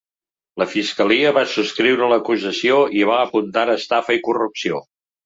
La fiscalia va subscriure l’acusació i va apuntar estafa i corrupció.